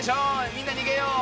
みんな逃げよう。